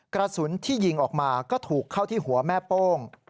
กระสุนที่ยิงออกมาก็ถูกเข้าที่หัวแม่โป้ง